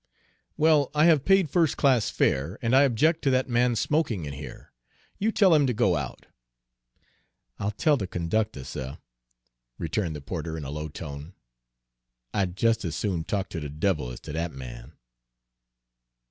"Well, I have paid first class fare, and I object to that man's smoking in here. You tell him to go out." "I'll tell the conductor, suh," returned the porter in a low tone. "I 'd jus' as soon talk ter the devil as ter that man."